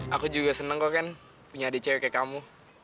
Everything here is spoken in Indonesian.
aku juga seneng kok ken punya adek cewek kayak kamu